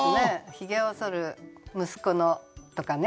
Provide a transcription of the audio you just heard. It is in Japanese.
「ひげをそる息子の」とかね